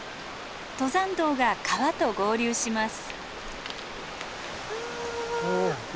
登山道が川と合流します。